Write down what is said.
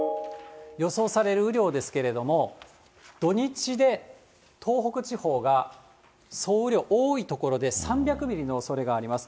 予想される雨量ですけれども、土日で東北地方が総雨量多い所で３００ミリのおそれがあります。